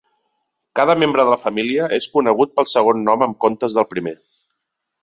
Cada membre de la família és conegut pel segon nom en comptes del primer.